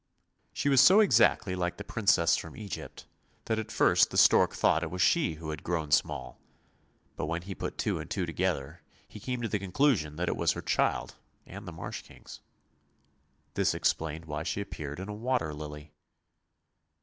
She was so exactly like the Princess from Egypt that at first the stork thought it was she who had grown small; but when he put two and two together, he came to the conclusion that it was her child and the Marsh King's. This explained why she appeared in a water lily.